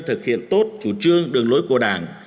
thực hiện tốt chủ trương đường lối của đảng